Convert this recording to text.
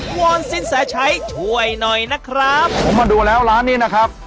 วอนสินแสชัยช่วยหน่อยนะครับผมมาดูแล้วร้านนี้นะครับ